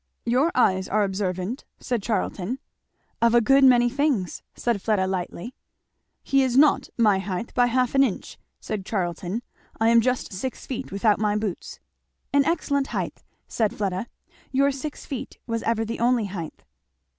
"Your eyes are observant!" said Charlton. "Of a good many things," said Fleda lightly. "He is not my height by half an inch," said Charlton; "I am just six feet without my boots." "An excellent height!" said Fleda, "'your six feet was ever the only height.'"